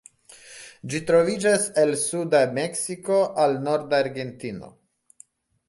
Ĝi troviĝas el suda Meksiko al norda Argentino.